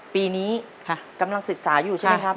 ปีนี้กำลังศึกษาอยู่ใช่ไหมครับ